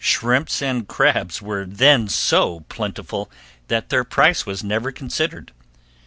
Shrimps and crabs were then so plentiful that their price was never considered.